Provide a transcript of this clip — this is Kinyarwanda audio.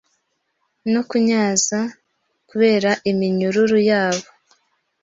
no kunyaza kubera iminyururuyabo